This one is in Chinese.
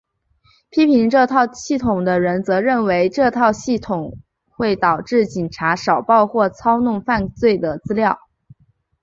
批评这套系统的人则认为这套系统会导致警察少报或操弄犯罪的资料。